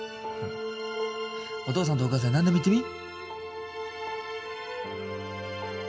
お父さんとお母さんに何でも言ってみぃ。